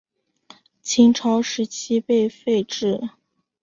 秦朝时期被废止。